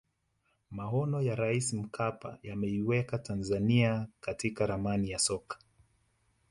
maono ya raisi mkapa yameiweka tanzania katika ramani ya soka